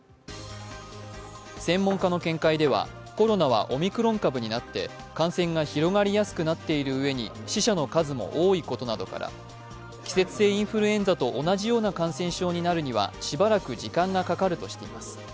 専門家の見解ではコロナはオミクロン株になって感染が広がりやすくなっているうえに死者の数も多いことなどから季節性インフルエンザと同じような感染症になるにはしばらく時間がかかるとしています。